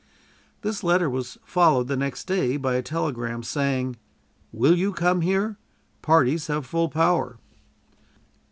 This letter was followed the next day by a telegram, saying: "Will you come here? Parties have full power."